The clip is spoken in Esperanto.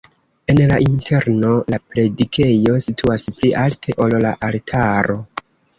En la interno la predikejo situas pli alte, ol la altaro.